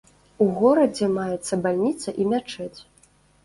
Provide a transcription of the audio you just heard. У горадзе маецца бальніца і мячэць.